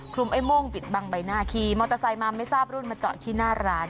ไอ้โม่งปิดบังใบหน้าขี่มอเตอร์ไซค์มาไม่ทราบรุ่นมาจอดที่หน้าร้าน